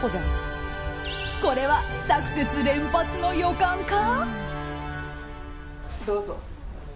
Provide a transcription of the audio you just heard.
これはサクセス連発の予感か。